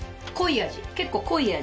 濃い味。